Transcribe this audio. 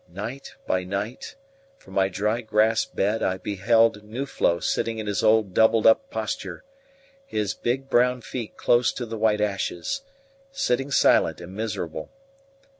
Night by night, from my dry grass bed I beheld Nuflo sitting in his old doubled up posture, his big brown feet close to the white ashes sitting silent and miserable.